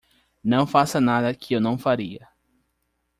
Não faça nada que eu não faria.